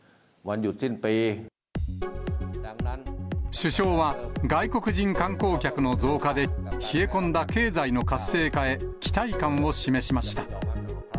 首相は、外国人観光客の増加で、冷え込んだ経済の活性化へ期待感を示しました。